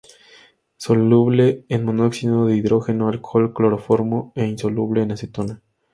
Soluble en monóxido de dihidrógeno, alcohol, cloroformo, e insoluble en acetona.